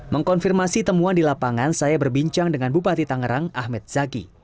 mengkonfirmasi temuan di lapangan saya berbincang dengan bupati tangerang ahmed zaghi